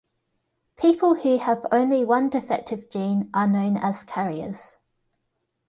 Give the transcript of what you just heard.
People who have only one defective gene are known as carriers.